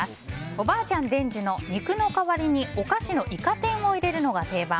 おばあちゃん伝授の肉の代わりにお菓子のイカ天を入れるのが定番。